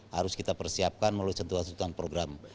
harus kita persiapkan melalui program